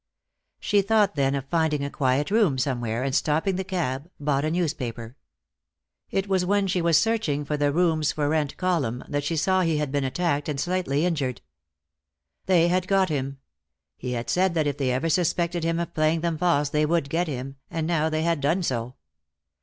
She thought then of finding a quiet room somewhere, and stopping the cab, bought a newspaper. It was when she was searching for the "rooms for rent" column that she saw he had been attacked and slightly injured. They had got him. He had said that if they ever suspected him of playing them false they would get him, and now they had done so.